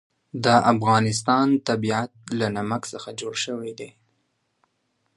د افغانستان طبیعت له نمک څخه جوړ شوی دی.